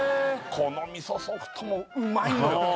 このみそソフトもうまいのよ